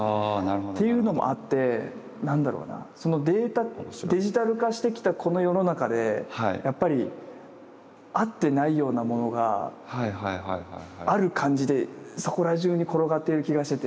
ていうのもあって何だろうなそのデジタル化してきたこの世の中でやっぱりあってないようなものがある感じでそこら中に転がっている気がしてて。